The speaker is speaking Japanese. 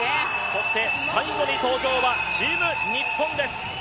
そして、最後に登場はチーム日本です！